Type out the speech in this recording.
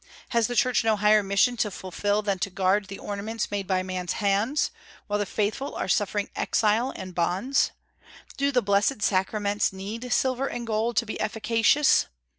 Has the Church no higher mission to fulfil than to guard the ornaments made by men's hands, while the faithful are suffering exile and bonds? Do the blessed sacraments need silver and gold, to be efficacious?